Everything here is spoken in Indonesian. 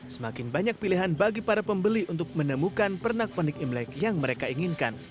semakin banyak pilihan bagi para pembeli untuk menemukan pernak pernik imlek yang mereka inginkan